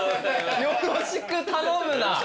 よろしく頼むなピース。